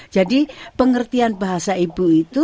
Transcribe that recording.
jadi pengertian bahasa ibu itu